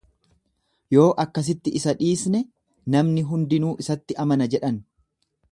Yoo akkasitti isa dhiisne namni hundinuu isatti amana jedhan.